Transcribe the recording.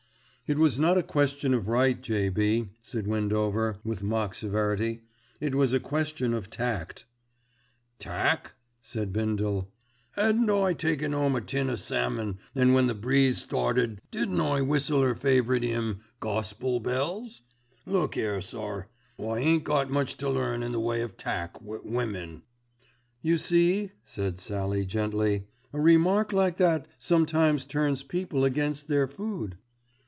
"It was not a question of right, J.B.," said Windover, with mock severity. "It was a question of tact." "Tack!" said Bindle. "'Adn't I taken 'ome a tin of salmon, and when the breeze started didn't I whistle 'er favourite 'ymn Gospel Bells? Look 'ere, sir, I ain't got much to learn in the way of tack wi' women." "You see," said Sallie gently, "a remark like that sometimes turns people against their food."